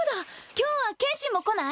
今日は剣心も来ない？